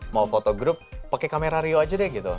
mau foto group pakai kamera rio aja deh gitu